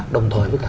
đồng thời với cả